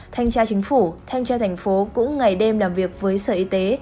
thanh tra chính phủ thanh tra thành phố cũng ngày đêm làm việc với sở y tế